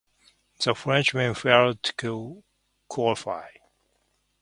The Frenchman failed to qualify.